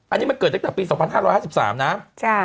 อันนี้มันเกิดตั้งแต่ปี๒๕๕๓นะ